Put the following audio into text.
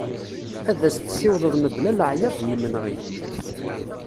Ad as-tessiwḍeḍ mebla leɛyaḍ d yimenɣi.